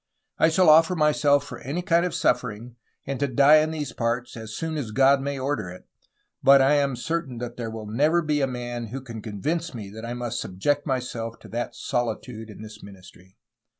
I shall offer myself for any kind of suffering and to die in these parts, as soon as God may order it, but I am certain that there will never be a man who can convince me that I must subject myself to that solitude in this ministry.